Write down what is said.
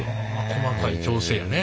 細かい調整やね。